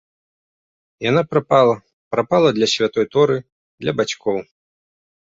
Яна прапала, прапала для святой торы, для бацькоў.